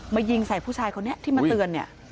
มายิงใส่ผู้ชายเขาเนี่ยที่มาเตือนเนี่ย